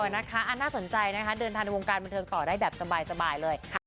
น่าสนใจนะคะเดินทางในวงการบันเทิงต่อได้แบบสบายเลย